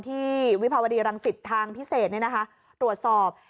ที่วิภาวดีรังศิษย์ทางพิเศษเนี่ยนะคะตรวจสอบ